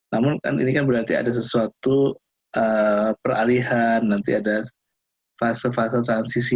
namun kan ini kan berarti ada sesuatu peralihan nanti ada fase fase transisi